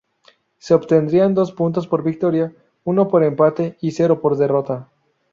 Se obtendrían dos puntos por victoria, uno por empate y cero por derrota.